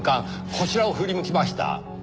こちらを振り向きました。